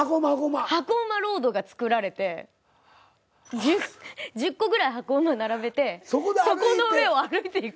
箱馬ロードがつくられて１０個ぐらい箱馬並べてそこの上を歩いていくっていう。